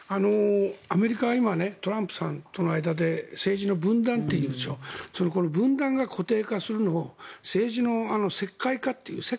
アメリカは今トランプさんとの間で政治の分断といいますが分断が固定化するのを政治の石灰化という。